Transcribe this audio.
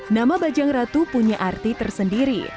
nama bajang ratu punya arti tersendiri